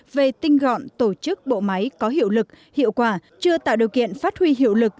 về tinh gọn tổ chức bộ máy có hiệu lực hiệu quả chưa tạo điều kiện phát huy hiệu lực